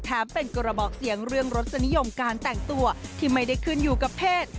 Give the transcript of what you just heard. เป็นกระบอกเสียงเรื่องรสนิยมการแต่งตัวที่ไม่ได้ขึ้นอยู่กับเพศ